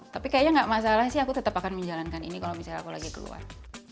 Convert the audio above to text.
tapi kayaknya nggak masalah sih aku tetap akan menjalankan ini kalau misalnya aku lagi keluar